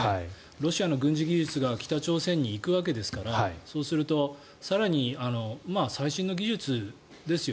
ロシアの軍事技術が北朝鮮に行くわけですからそうすると、更に最新の技術ですよ。